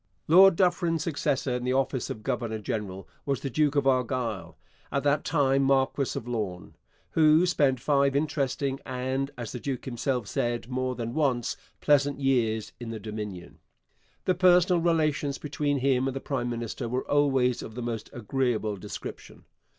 Lord Dufferin's successor in the office of governor general was the Duke of Argyll, at that time Marquess of Lorne, who spent five interesting and, as the duke himself said more than once, pleasant years in the Dominion. The personal relations between him and the prime minister were always of the most agreeable description.